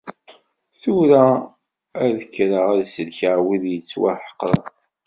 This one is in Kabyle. Tura, ad kkreɣ ad sellkeɣ wid yettwaḥeqren.